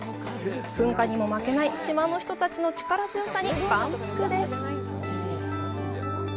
噴火にも負けない島の人たちの力強さに感服です。